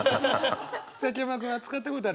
崎山君は使ったことある？